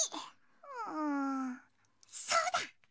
うんそうだ！